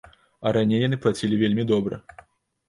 А раней яны плацілі вельмі добра.